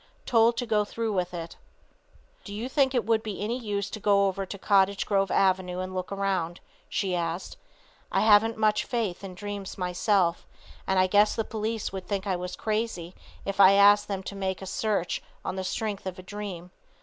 TOLD TO GO THROUGH WITH IT. "Do you think it would be any use to go over to Cottage Grove avenue and look around?" she asked. "I haven't much faith in dreams myself, and I guess the police would think I was crazy if I asked them to make a search on the strength of a dream."